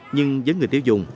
nhưng với người tiêu dùng